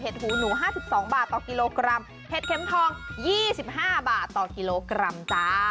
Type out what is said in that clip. หูหนู๕๒บาทต่อกิโลกรัมเห็ดเข็มทอง๒๕บาทต่อกิโลกรัมจ้า